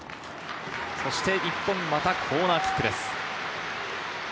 日本、またコーナーキックです。